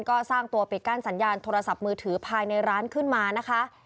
ก็สร้างตัวปิดกั้นสัญญาณโทรศัพท์มือถือภายในร้านขึ้นมานะคะ